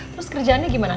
terus kerjaannya gimana